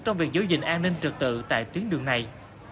trong việc giữ gìn an ninh trực tự tại tuyến đường này